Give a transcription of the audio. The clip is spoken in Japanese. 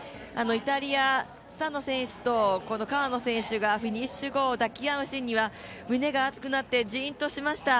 イタリア、スタノ選手と川野選手がフィニッシュ後、抱き合うシーンには、胸が熱くなってジーンとしました